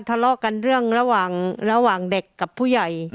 ทะเลาะกันเรื่องระหว่างเด็กกับผู้ใหญ่